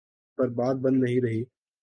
پر بات بن نہیں رہی۔